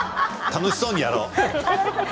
楽しそうにやろう。